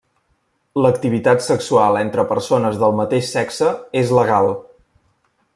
L'activitat sexual entre persones del mateix sexe és legal.